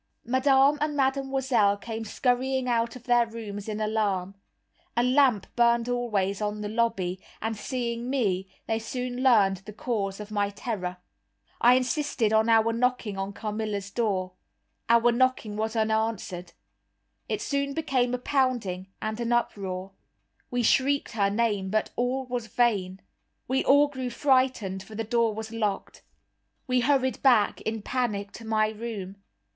Madame and Mademoiselle came scurrying out of their rooms in alarm; a lamp burned always on the lobby, and seeing me, they soon learned the cause of my terror. I insisted on our knocking at Carmilla's door. Our knocking was unanswered. It soon became a pounding and an uproar. We shrieked her name, but all was vain. We all grew frightened, for the door was locked. We hurried back, in panic, to my room.